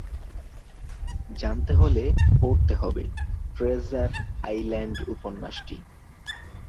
জানতে হলে পড়তে হবে ট্রেজার আইল্যান্ড উপন্যাসটি।